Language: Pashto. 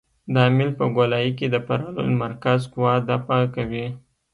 دا میل په ګولایي کې د فرار المرکز قوه دفع کوي